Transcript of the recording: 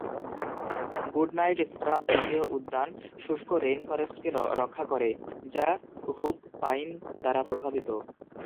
Goodnight scrub জাতীয় উদ্যান শুষ্ক রেইনফরেস্টকে রক্ষা করে, যা হুপ পাইন দ্বারা প্রভাবিত।